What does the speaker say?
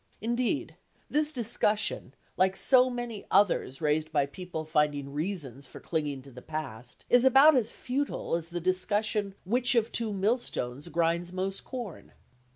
Indeed, this discussion, like so many others raised by people finding reasons for clinging to the past, is about as futile as the discussion which of two millstones grinds most corn.